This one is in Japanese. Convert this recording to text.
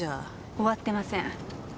終わってません。